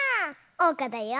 おうかだよ。